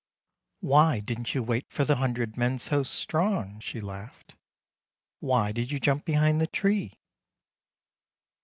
" Why didn't you wait for the hundred men so strong? " she laughed. " Why did you jump behind the tree?